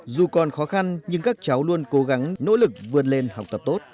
dù còn khó khăn nhưng các cháu luôn cố gắng nỗ lực vươn lên học tập tốt